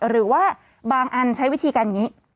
หรือว่าบางอันใช้วิธีการอย่างนี้